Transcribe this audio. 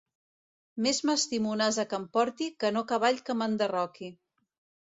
Més m'estimo un ase que em porti, que no cavall que m'enderroqui.